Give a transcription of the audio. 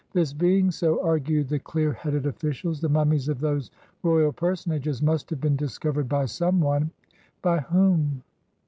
This being so, argued the clear headed oflSicials, the mummies of those royal personages must have been discovered by some one. By whom?